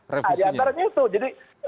nah diantaranya itu jadi